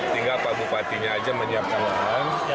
tinggal pak bupatinya aja menyiapkan lahan